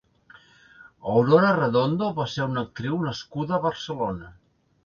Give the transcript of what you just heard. Aurora Redondo va ser una actriu nascuda a Barcelona.